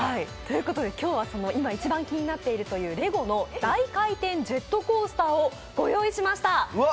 今日は今、一番気になっているというレゴの大回転ジェットコースターをご用意しました。